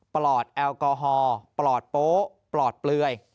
ปลอดแอลกอฮอลปลอดโป๊ปลอดเปลือย